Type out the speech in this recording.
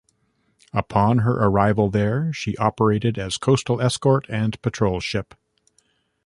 Upon her arrival there she operated as coastal escort and patrol ship.